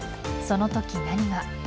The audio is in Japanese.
その時、何が。